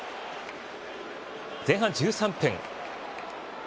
前半１３分。